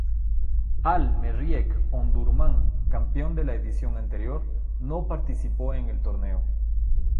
Al-Merreikh Omdurmán, campeón de la edición anterior, no participó en el torneo.